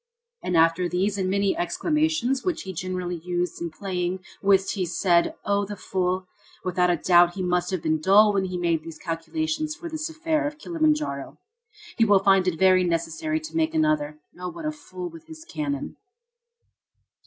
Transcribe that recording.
And after these and many exclamations which he generally used in playing whist he said: "Oh, the old fool! Without a doubt he must have been dull when he made his calculations for this affair of Kilimanjaro. He will find it very necessary to make another. Oh, what a fool with his cannon!"